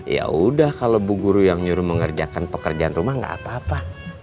ya udah kalau bu guru yang nyuruh mengerjakan pekerjaan rumah gak apa apa